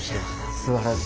すばらしい。